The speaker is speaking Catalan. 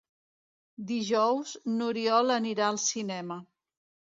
Dijous n'Oriol anirà al cinema.